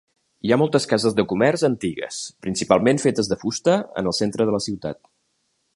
Hi ha moltes cases de comerç antigues, principalment fetes de fusta, en el centre de la ciutat.